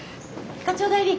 課長代理。